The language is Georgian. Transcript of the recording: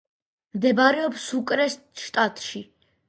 მდებარეობს სუკრეს შტატში.